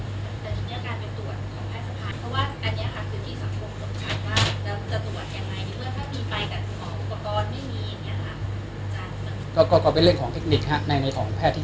แล้วก็จุดปิดสินใช้ตอนที่จะตรวจวันนั้นของป่าทรัศน์